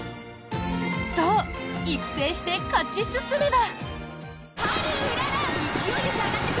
そう、育成して勝ち進めば。